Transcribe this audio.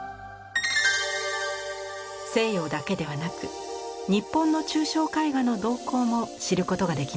西洋だけではなく日本の抽象絵画の動向も知ることができます。